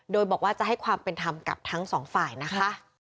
โดยบอกว่าจะให้ความเป็นธรรมกับทั้งสองฝ่ายนะคะ